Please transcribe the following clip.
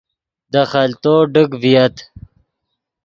دے خلتو ڈک ڤییت